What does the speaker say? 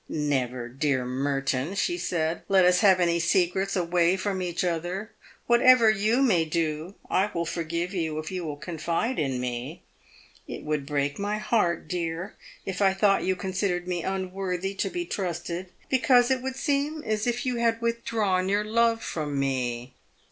" Never, dear Merton," she said, "let us have any secrets away from each other. Whatever you may do, I will forgive you, if you will confide in me. It would break my heart, dear, if I thought you considered me unworthy to be trusted, because it would seem as if you had with drawn your love from me."